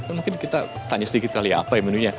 mungkin kita tanya sedikit kali ya apa yang menunya